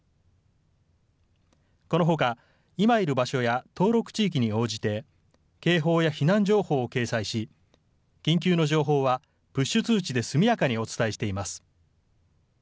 このほか、今いる場所や登録地域に応じて、警報や避難情報を掲載し、緊急の情報はプッシュ通知で速やかにお伝えしています。